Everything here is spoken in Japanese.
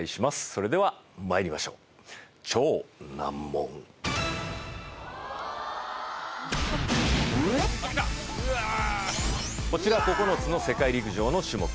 それではまいりましょうこちら９つの世界陸上の種目